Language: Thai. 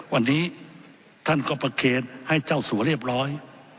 วันนี้ท่านก็ประเคนให้เจ้าสัวเรียบร้อย